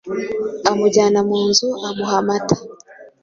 Amujyana mu nzu amuha amata.